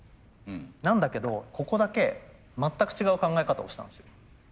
なんだけどここだけ全く違う考え方をしたんですよ。